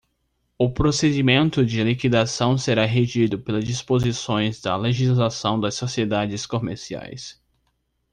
O procedimento de liquidação será regido pelas disposições da legislação das sociedades comerciais.